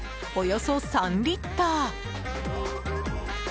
およそ３リッター！